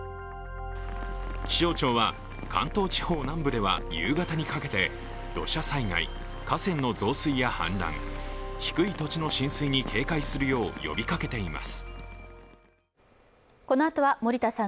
気象庁は関東地方南部では夕方にかけて土砂災害、河川の増水や氾濫、低い土地の浸水に警戒するよう呼びかけています。